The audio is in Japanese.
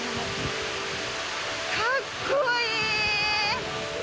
かっこいい！